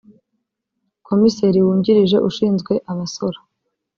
Komiseri wungirije ushinzwe abasora